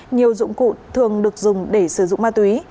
nhiều dụng cụ thường được dùng để sử dụng ma túy